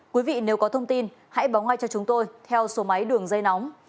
quý vị nếu có thông tin hãy báo ngay cho chúng tôi theo số máy đường dây nóng